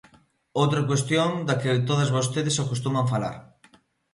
Outra cuestión da que todas vostedes acostuman falar.